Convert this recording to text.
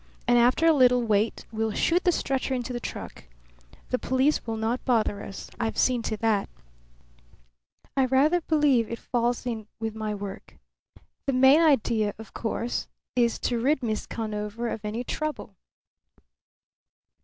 And after a little wait we'll shoot the stretcher into the truck. The police will not bother us. I've seen to that. I rather believe it falls in with some of my work. The main idea, of course, is to rid Miss Conover of any trouble."